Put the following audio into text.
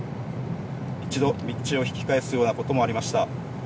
一度道を引き返すようなこともありました。